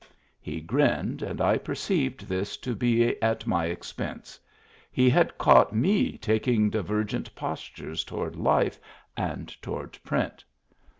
He grinned, and I perceived this to be at my expense — he had caught me taking divergent postures toward life and toward print.